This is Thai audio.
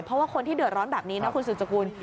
เพราะว่าคนที่เดือดร้อนแบบนี้นะคุณสุดสกุล